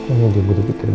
ini dia budi di kerja